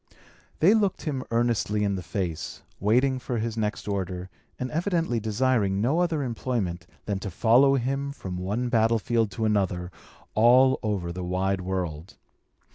They looked him earnestly in the face, waiting for his next order, and evidently desiring no other employment than to follow him from one battlefield to another, all over the wide world.